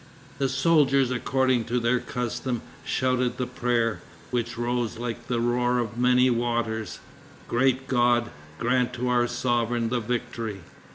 The soldiers, according to their custom, shouted the prayer, which rose like the roar of many waters, "Great God, grant to our sovereign the victory."